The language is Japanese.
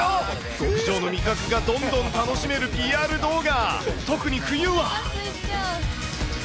極上の味覚がどんどん楽しめるＰＲ動画。